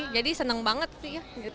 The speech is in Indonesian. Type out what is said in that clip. jadi seneng banget sih ya